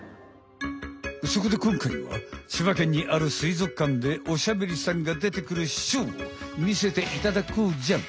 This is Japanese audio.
そこでこんかいは千葉県にあるすいぞくかんでおしゃべりさんがでてくるショーを見せていただこうじゃん。